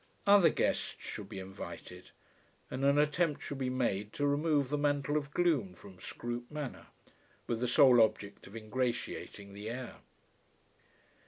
Other guests should be invited, and an attempt should be made to remove the mantle of gloom from Scroope Manor, with the sole object of ingratiating the heir.